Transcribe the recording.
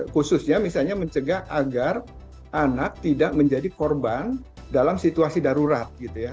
khususnya misalnya mencegah agar anak tidak menjadi korban dalam situasi darurat gitu ya